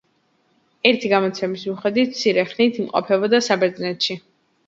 ერთი გადმოცემის მიხედვით მცირე ხნით იმყოფებოდა საბერძნეთში.